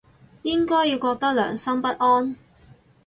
應該要覺得良心不安